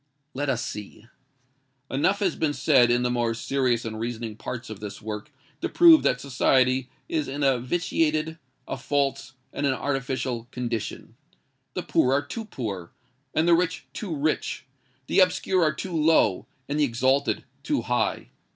Let us see. Enough has been said in the more serious and reasoning parts of this work to prove that society is in a vitiated—a false—and an artificial condition. The poor are too poor, and the rich too rich: the obscure are too low, and the exalted too high.